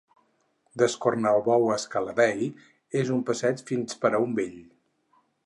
D'Escornalbou a Scala-Dei, és un passeig fins per a un vell.